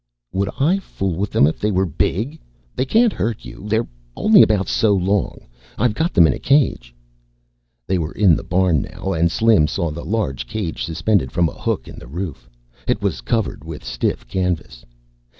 "Would I fool with them if they were big? They can't hurt you. They're only about so long. I've got them in a cage." They were in the barn now and Slim saw the large cage suspended from a hook in the roof. It was covered with stiff canvas.